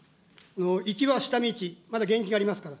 行きは下道、まだ元気がありますから。